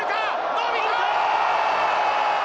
伸びた！